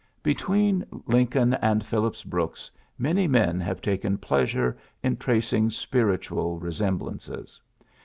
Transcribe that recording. ^' Between Lincoln and Phillips Brooks many men have taken pleasure in trac ing spiritual resemblances.